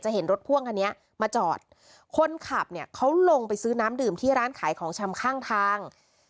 เห็นรถพ่วงคันนี้มาจอดคนขับเนี่ยเขาลงไปซื้อน้ำดื่มที่ร้านขายของชำข้างทาง